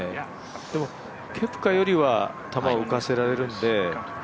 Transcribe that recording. でもケプカよりは球を浮かせられるんで。